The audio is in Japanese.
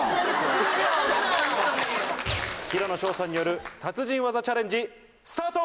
平野紫耀さんによる達人技チャレンジスタート！